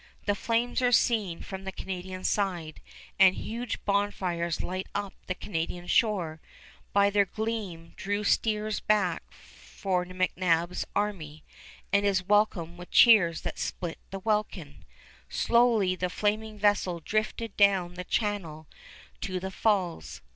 The flames are seen from the Canadian side, and huge bonfires light up the Canadian shore; by their gleam Drew steers back for McNab's army, and is welcomed with cheers that split the welkin. Slowly the flaming vessel drifted down the channel to the Falls.